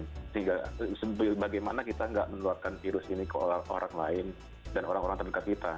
sehingga bagaimana kita nggak menularkan virus ini ke orang lain dan orang orang terdekat kita